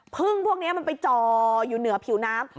พึ่งพวกนี้มันไปจ่ออยู่เหนือผิวน้ำ